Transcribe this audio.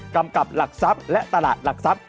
กำกับหลักทรัพย์และตลาดหลักทรัพย์